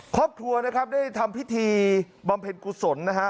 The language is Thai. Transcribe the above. ครอบครัวนะครับได้ทำพิธีบำเพ็ญกุศลนะฮะ